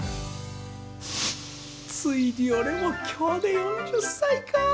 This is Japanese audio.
ついに俺もきょうで４０歳か。